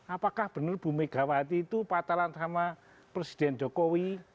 apakah benar bu megawati itu patahan sama presiden jokowi